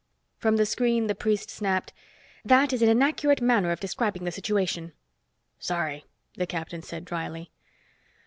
From the screen the priest snapped, "That is an inaccurate manner of describing the situation." "Sorry," the captain said dryly.